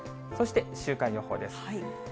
そして週間予報です。